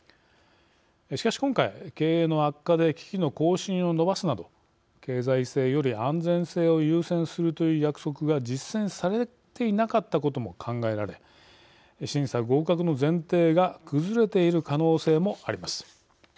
しかし今回、経営の悪化で機器の更新をのばすなど経済性より安全性を優先するという約束が実践されていなかったことも考えられ審査合格の前提が崩れている可能性もあります。